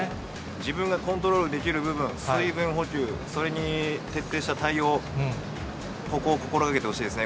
自分がコントロールできる部分、水分補給、それに徹底した対応、ここを心がけてほしいですね。